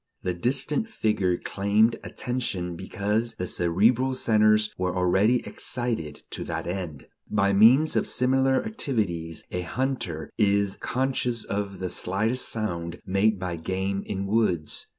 The distant figure claimed attention because the cerebral centers were already excited to that end. By means of similar activities a hunter is conscious of the slightest sound made by game in woods.